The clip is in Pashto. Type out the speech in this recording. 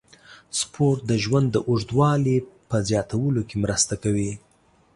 سپورت د ژوند د اوږدوالي په زیاتولو کې مرسته کوي.